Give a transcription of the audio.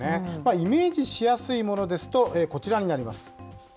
イメージしやすいものですと、こちらになります。